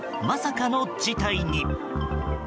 まさかの事態に。